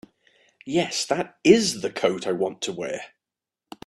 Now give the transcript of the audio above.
Yes, that IS the coat I want to wear.